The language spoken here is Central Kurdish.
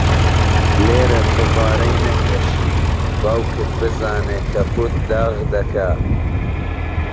لێرە جغارەی نەکێشی، باوکت بزانێ کەپووت داغ دەکا.